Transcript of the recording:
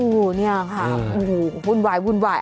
อู่เนี่ยค่ะหุ่นวาย